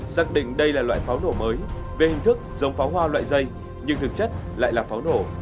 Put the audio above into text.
xác định đây là loại pháo nổ mới về hình thức giống pháo hoa loại dây nhưng thực chất lại là pháo nổ